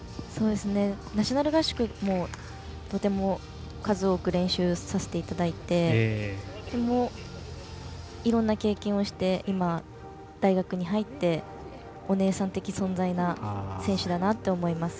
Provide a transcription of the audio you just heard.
ナショナル合宿もとても数多く練習させていただいてでも、いろんな経験をして今、大学に入ってお姉さん的存在な選手だなって思います。